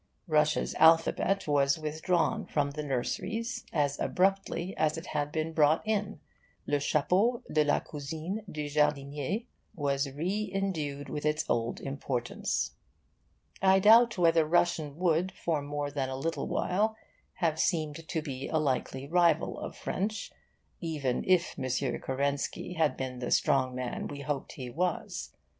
Russia's alphabet was withdrawn from the nurseries as abruptly as it had been brought in, and le chapeau de la cousine du jardinier was re indued with its old importance. I doubt whether Russian would for more than a little while have seemed to be a likely rival of French, even if M. Kerensky had been the strong man we hoped he was.